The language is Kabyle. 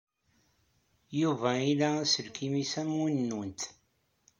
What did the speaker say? Yuba ila aselkim am win-nwent.